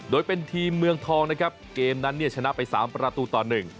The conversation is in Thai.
โดยเป็นทีมเมืองทองนะครับเกมนั้นเนี่ยชนะไป๓ประตูต่อหนึ่ง